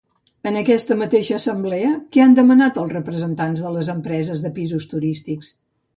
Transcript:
En aquesta mateixa assemblea, què han demanat els representants de les empreses de pisos turístics?